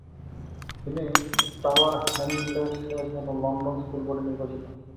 তিনি Tower Hamlets এর জন্য লন্ডন স্কুল বোর্ডে নির্বাচিত হন।